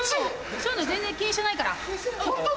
そういうの全然気にしてないから。